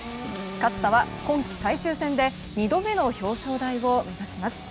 勝田は今季最終戦で２度目の表彰台を目指します。